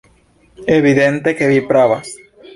Evidente, ke vi pravas!